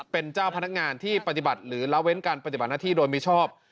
เป็นเจ้าพนักงานที่ปฏิบัติหรือละเว้นการปฏิบัติหน้าที่โดยมิชอบ